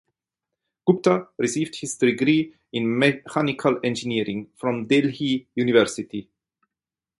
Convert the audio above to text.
Gupta received his degree in mechanical engineering from Delhi University.